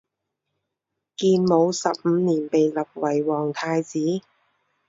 建武十五年被立为皇太子。